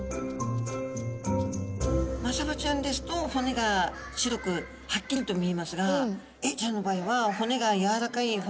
マサバちゃんですと骨が白くはっきりと見えますがエイちゃんの場合は骨があっ！